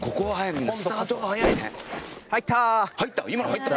入った。